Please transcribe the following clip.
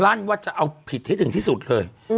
ลั่นว่าจะเอาผิดให้ถึงที่สุดเลย